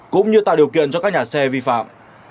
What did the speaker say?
cũng như tạo điều kiện cho các nhà xe vi phạm